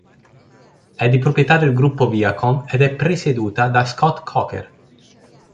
È di proprietà del gruppo Viacom ed è presieduta da Scott Coker.